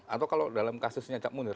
atau kalau dalam kasusnya cak munir